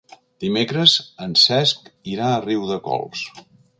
Dimecres en Cesc irà a Riudecols.